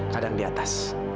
kadang di atas